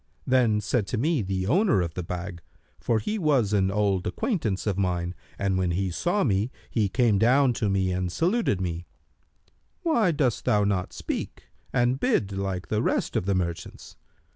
Then said to me the owner of the bag (for he was an old acquaintance of mine, and when he saw me, he came down to me and saluted me), 'Why dost thou not speak and bid like the rest of the merchants?'